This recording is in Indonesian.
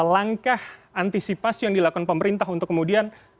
langkah antisipasi yang dilakukan pemerintah untuk kemudian